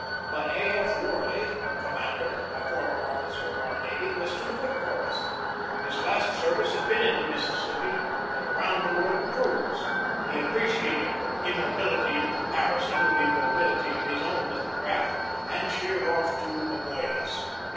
But A. F. Warley, her commander, a former officer of our navy, was too quick for us. His last service had been in the Mississippi in a round the world cruise. He appreciated her immobility in comparison with the mobility of his own little craft and sheered off to avoid us.